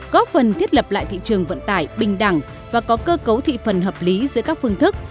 góp phần thiết lập lại thị trường vận tải bình đẳng và có cơ cấu thị phần hợp lý giữa các phương thức